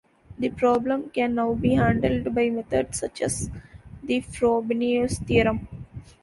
The problem can now be handled by methods such as the Frobenius theorem.